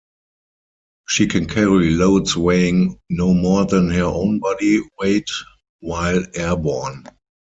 She can carry loads weighing no more than her own body weight while airborne.